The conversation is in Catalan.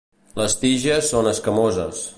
Les tiges són escamoses.